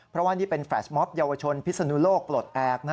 เพราะว่านี่เป็นแฟลชมอบเยาวชนพิศนุโลกปลดแอบ